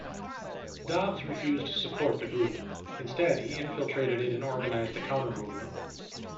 Dobbs refused to support the group; instead, he infiltrated it and organized a counter-movement.